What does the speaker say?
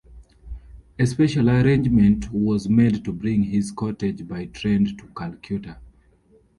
A special arrangement was made to bring his cortege by train to Calcutta.